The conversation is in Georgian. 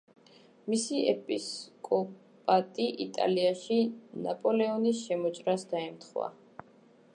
მისი ეპისკოპატი იტალიაში ნაპოლეონის შემოჭრას დაემთხვა.